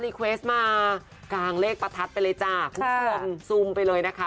ลีเควสต์มากางเลขประทัดไปเลยจ้ะค่ะซูมไปเลยนะคะ